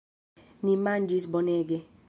Ni manĝis bonege.